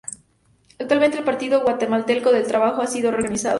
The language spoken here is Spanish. Actualmente el Partido Guatemalteco del Trabajo ha sido reorganizado.